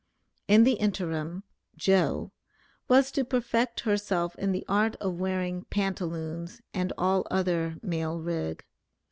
In the interim, "Joe" was to perfect herself in the art of wearing pantaloons, and all other male rig.